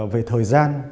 về thời gian